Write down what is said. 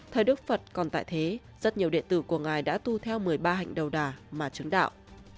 thời đức phật còn tại thế rất nhiều điện tử của ngài đã tu theo một mươi ba hạnh đầu đà mà trứng đạo